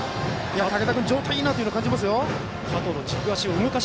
竹田君状態がいいなと感じますよ。